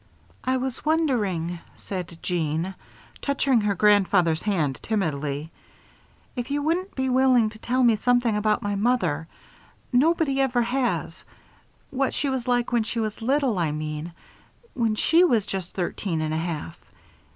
"I was wondering," said Jeanne, touching her grandfather's hand, timidly, "if you wouldn't be willing to tell me something about my mother. Nobody ever has. What she was like when she was little, I mean. When she was just thirteen and a half.